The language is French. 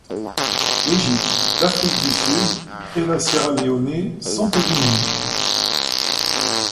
L'Égypte, l'Afrique du Sud et la Sierre Leone sont éliminées.